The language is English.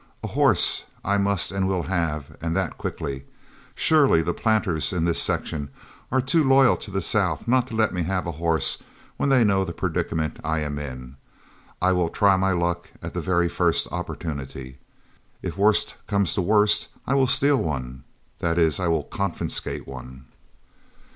A horse I must and will have, and that quickly. Surely the planters in this section are too loyal to the South not to let me have a horse when they know the predicament I am in. I will try my luck at the very first opportunity. If worse come to worst, I will steal one; that is, I will confiscate one."